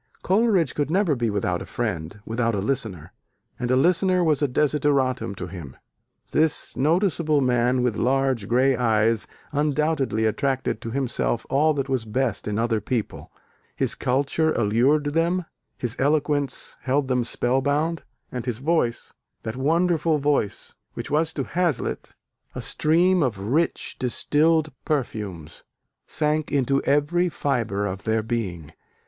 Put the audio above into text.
Coleridge could never be without a friend, without a listener: and a listener was a desideratum to him. This "noticeable man with large grey eyes" undoubtedly attracted to himself all that was best in other people: his culture allured them, his eloquence held them spell bound, and his voice that wonderful voice which was to Hazlitt "as a stream of rich distilled perfumes" sank into every fibre of their being.